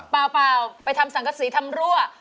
เปล่าไปทำสังกษีทำรั่ว